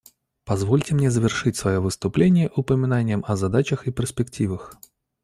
Позвольте мне завершить свое выступление упоминанием о задачах и перспективах.